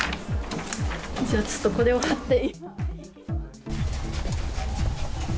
これを貼って。